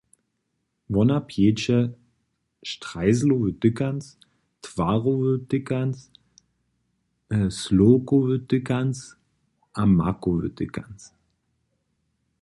Wona pječe štrajzlowy tykanc, twarohowy tykanc, slowkowy tykanc a makowy tykanc.